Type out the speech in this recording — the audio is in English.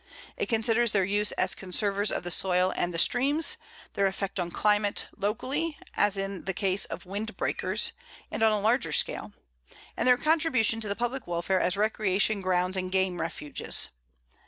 It considers their use as conservers of the soil and the streams; their effect on climate, locally, as in the case of windbreakers, and on a larger scale; and their contribution to the public welfare as recreation grounds and game refuges.